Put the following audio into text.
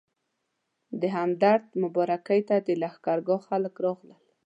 د همدرد مبارکۍ ته د لښکرګاه خلک راغلل.